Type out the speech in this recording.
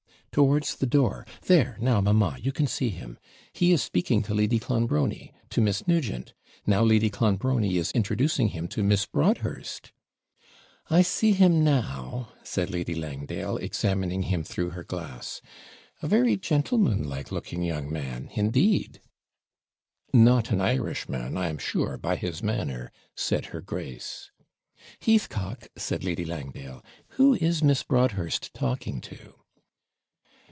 'Towards the door. There now, mamma, you can see him. He is speaking to Lady Clonbrony to Miss Nugent. Now Lady Clonbrony is introducing him to Miss Broadhurst.' 'I see him now,' said Lady Langdale, examining him through her glass; 'a very gentlemanlike looking young man, indeed.' 'Not an Irishman, I am sure, by his manner,' said her grace. 'Heathcock!' said Lady Langdale, 'who is Miss Broadhurst talking to?'